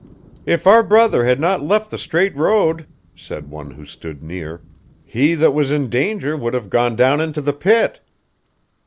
'If our brother had not left the straight road,' said one who stood near, 'he that was in danger would have gone down into the pit.'